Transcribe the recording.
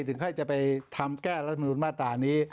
ถึงให้จะไปทำแก้รัฐมนุนมาตรานี้